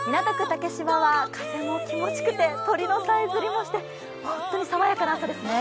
竹芝は風も気持ちよくて、鳥のさえずりもして、ホントに爽やかな朝ですね。